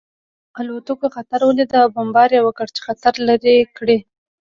الوتکو خطر ولید او بمبار یې وکړ چې خطر لرې کړي